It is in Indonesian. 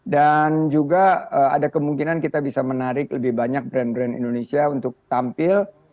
dan juga ada kemungkinan kita bisa menarik lebih banyak brand brand indonesia untuk tampil